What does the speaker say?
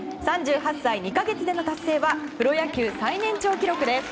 ３８歳２か月での達成はプロ野球最年長記録です。